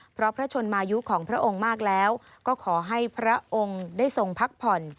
เพราะพระชนมายุของพระองค์มากแล้วก็ขอให้พระองค์ได้ทรงพักผ่อน